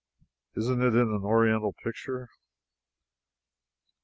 Isn't it an oriental picture?